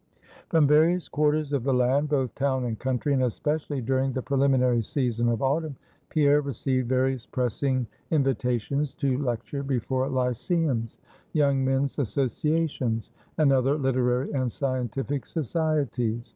From various quarters of the land, both town and country, and especially during the preliminary season of autumn, Pierre received various pressing invitations to lecture before Lyceums, Young Men's Associations, and other Literary and Scientific Societies.